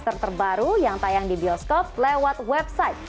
atau film blockbuster terbaru yang tayang di bioskop lewat website